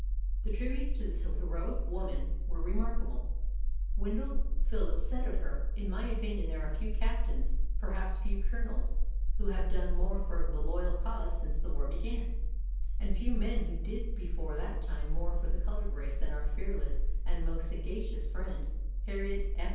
The tributes to this heroic woman were remarkable. Wendell Phillips said of her: 38 WOMEN OF ACHIEVEMENT "In my opinion there are few captains, per haps few colonels, who have done more for the loyal cause since the war began, and few men who did before that time more for the colored race than our fearless and most sa gacious friend, Harriet."